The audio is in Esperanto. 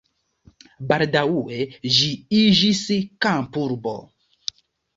Baldaŭe ĝi iĝis kampurbo.